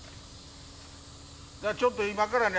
ちょっと今からね